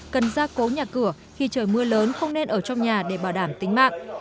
cần ra cố nhà cửa khi trời mưa lớn không nên ở trong nhà để bảo đảm tính mạng